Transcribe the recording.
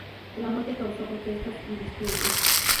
La muerte causó protestas y disturbios.